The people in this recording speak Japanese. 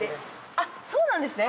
あっそうなんですね。